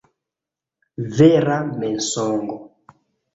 Vera mensogo.